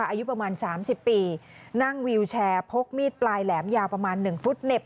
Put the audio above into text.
อายุประมาณ๓๐ปีนั่งวิวแชร์พกมีดปลายแหลมยาวประมาณ๑ฟุตเหน็บ